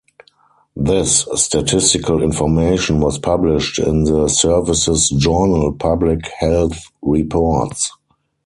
This statistical information was published in the Service's journal, Public Health Reports.